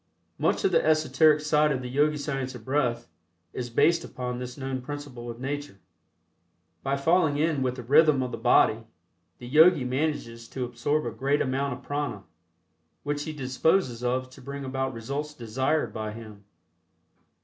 Much of the esoteric side of the Yogi Science of Breath is based upon this known principle of nature. By falling in with the rhythm of the body, the Yogi manages to absorb a great amount of Prana, which he disposes of to bring about results desired by him.